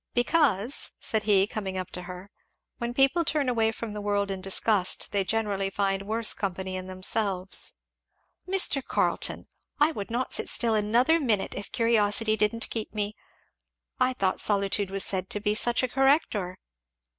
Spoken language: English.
"Because," said he coming up to her, "when people turn away from the world in disgust they generally find worse company in themselves." "Mr. Carleton! I would not sit still another minute, if curiosity didn't keep me. I thought solitude was said to be such a corrector?"